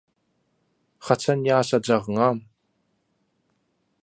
haçan ýaşajagyňam